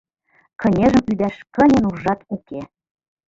Кынежым ӱдаш кыне нуржат уке...